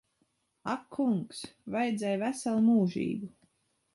Ak kungs. Vajadzēja veselu mūžību.